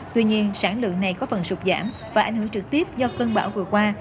tuy nhiên sản lượng này có phần sụt giảm và ảnh hưởng trực tiếp do cơn bão vừa qua